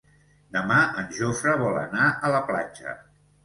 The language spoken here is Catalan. Demà en Jofre vol anar a la platja.